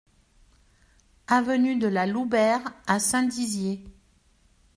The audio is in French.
Avenue de la Loubert à Saint-Dizier